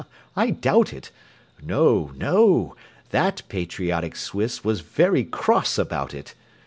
I doubt it! No, no; that patriotic Swiss Was very cross about it.